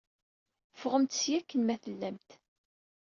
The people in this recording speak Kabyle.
Ffɣemt seg-a, akken ma tellamt!